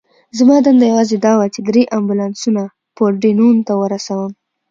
زما دنده یوازې دا وه، چې درې امبولانسونه پورډینون ته ورسوم.